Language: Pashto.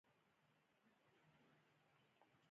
د کلاشينکوف خلاصول او بېرته تړل مې زده کړي وو.